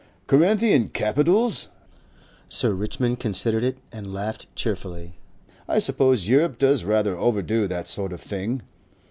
"Corinthian capitals?" Sir Richmond considered it and laughed cheerfully. "I suppose Europe does rather overdo that sort of thing."